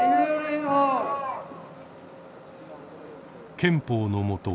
憲法のもと